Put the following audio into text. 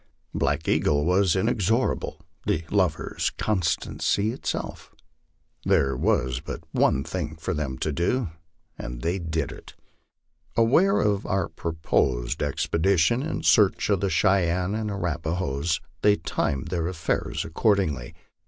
Black Eagle was inexorable the lovers, constancy itself. There was but one thing for them to do, and they did it. Aware of our proposed expedition in search of the Cheyennes and Arapa hoes, they timed their affairs accordingly.